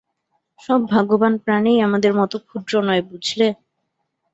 সব ভাগ্যবান প্রাণীই আমাদের মতো ক্ষুদ্র নয়, বুঝলে?